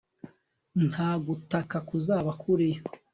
Nta gutaka kuzaba kuriyo